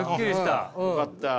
あよかった。